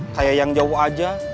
kayak yang jauh aja